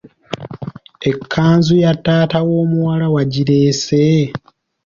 Ekkanzu ya taata w’omuwala wagireese?